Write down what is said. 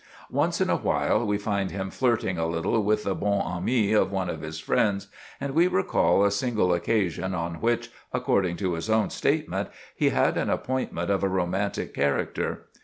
Once in a while, we find him flirting a little with the bonne amie of one of his friends, and we recall a single occasion on which, according to his own statement, he had an appointment of a romantic character.